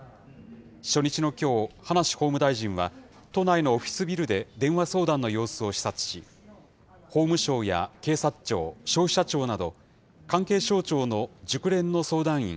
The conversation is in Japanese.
初日のきょう、葉梨法務大臣は都内のオフィスビルで電話相談の様子を視察し、法務省や警察庁、消費者庁など、関係省庁の熟練の相談員